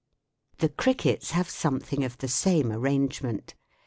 The crickets have something of the same arrangement